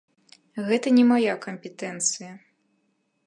Гэта не мая кампетэнцыя.